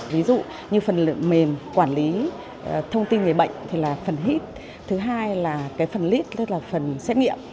ví dụ như phần mềm quản lý thông tin về bệnh thì là phần hit thứ hai là cái phần list tức là phần xét nghiệm